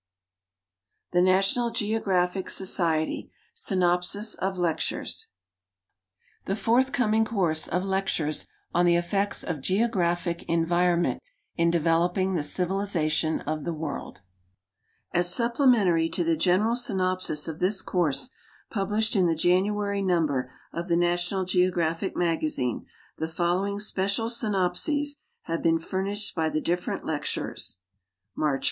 H. THE NATIONAL GEOGRAPHIC SOCIETY The Forthcoming Course op Lectures on the Effects of Geoorai'hic Environment in Developing the Civiijzation of the World As supplementary to the general synopsis of this Course, pub lished in the January number of The National Geographic Magazine, the following special s3niopses have been furnished by the different lecturers : March 1.